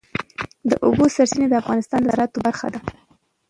د اوبو سرچینې د افغانستان د صادراتو برخه ده.